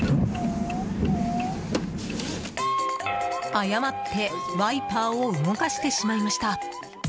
誤ってワイパーを動かしてしまいました。